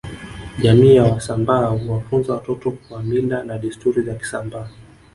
Jamii ya wasambaa huwafunza watoto kwa Mila na desturi za kisambaa